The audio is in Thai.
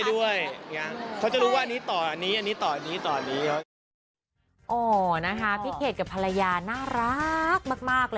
ส่วนช่วงตอนนี้นะครับ